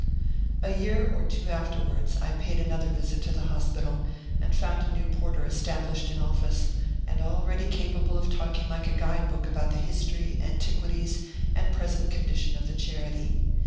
A year or two afterwards I paid another visit to the hospital, and found a new porter established in office, and already capable of talking like a guide book about the history, antiquities, and present condition of the charity.